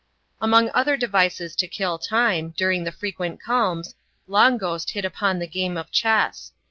[chap, dl Among other devices to kill time, during the frequent calms, Long Ghost hit upon the game of chess.